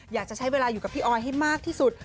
อยากจะใช้เวลาอยู่กับพี่ออยให้มากที่สุด